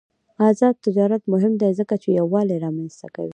آزاد تجارت مهم دی ځکه چې یووالي رامنځته کوي.